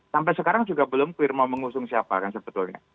sampai sekarang juga belum firma mengusung siapa kan sebetulnya